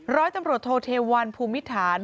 ร้อยตำรวจโทเทวันภูมิฐาน